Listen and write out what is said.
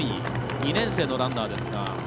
２年生のランナーです。